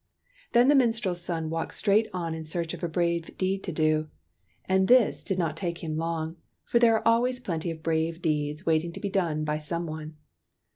Then the minstreFs son walked straight on in search of a brave deed to do ; and this did 122 TEARS OF PRINCESS PRUNELLA not take him long, for there are always plenty of brave deeds waiting to be done by some one.